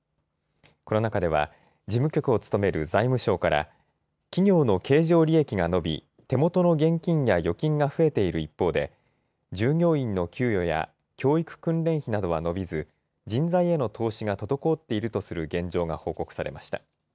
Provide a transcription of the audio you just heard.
この中では事務局を務める財務省から企業の経常利益が伸び、手元の現金や預金が増えている一方で従業員の給与や教育訓練費などは伸びず人材への投資が滞っているとする現状が報告されました。